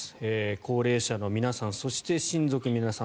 高齢者の皆さんそして親族の皆さん